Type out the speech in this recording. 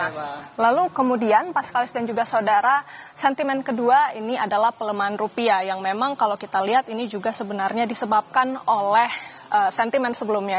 nah lalu kemudian pas kalis dan juga saudara sentimen kedua ini adalah pelemahan rupiah yang memang kalau kita lihat ini juga sebenarnya disebabkan oleh sentimen sebelumnya